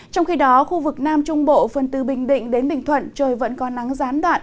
trong khi đó khu vực nam trung bộ phần từ bình định đến bình thuận trời vẫn có nắng gián đoạn